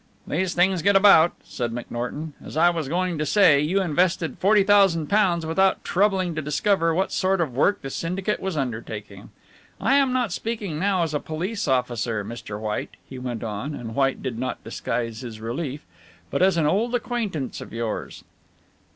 "These things get about," said McNorton, "as I was going to say, you invested £40,000 without troubling to discover what sort of work the syndicate was undertaking. I am not speaking now as a police officer, Mr. White," he went on, and White did not disguise his relief, "but as an old acquaintance of yours."